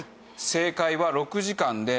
正解は６時間で。